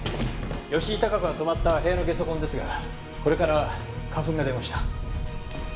吉井孝子が泊まった部屋のゲソ痕ですがこれから花粉が出ました。